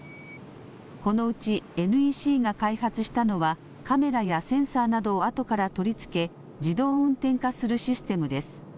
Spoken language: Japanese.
このうちＮＥＣが開発したのはカメラやセンサーなどをあとから取り付け自動運転化するシステムです。